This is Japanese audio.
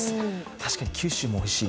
確かに九州もおいしい。